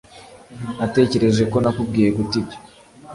Natekereje ko nakubwiye guta ibyo